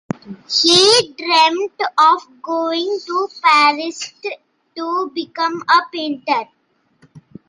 He dreamt of going to Paris to become a painter.